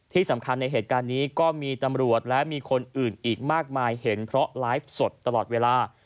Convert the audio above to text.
ที่สำคัญในเหตุการณ์นี้ก็มีตำรวจและมีคนอื่นอีกมากมายเห็นเพราะไลฟ์สดตลอดเวลา